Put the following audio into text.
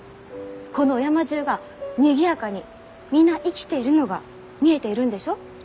このお山じゅうがにぎやかに皆生きているのが見えているんでしょ？